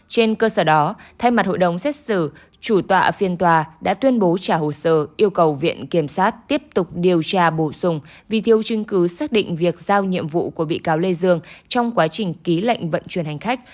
trên cơ sở đó thay mặt hội đồng xét xử chủ tọa phiên tòa đã tuyên bố trả hồ sơ yêu cầu viện kiểm sát tiếp tục điều tra bổ sung vì thiếu chứng cứ xác định việc giao nhiệm vụ của bị cáo lê dương trong quá trình ký lệnh vận chuyển hành khách